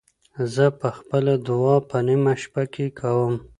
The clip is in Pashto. زه به خپله دعا په نیمه شپه کې کوم.